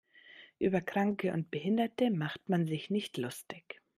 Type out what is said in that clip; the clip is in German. Über Kranke und Behinderte macht man sich nicht lustig.